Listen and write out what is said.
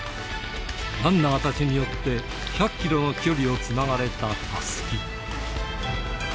ランナーたちによって１００キロの距離をつながれたたすき。